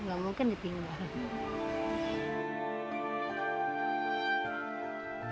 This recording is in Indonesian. nggak mungkin ditinggal